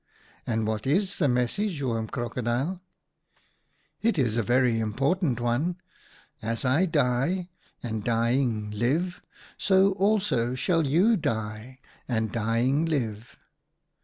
"' And what is the message, Oom Cro codile ?' "'It's a very important one: "As I die and, dying, live, so also shall you die and, dying, live."